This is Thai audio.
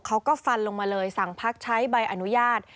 เขาก็ฟันลงมาเลยสั่งพักใช้ใบอนุญาต